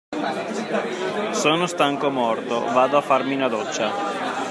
Sono stanco morto, vado a farmi una doccia.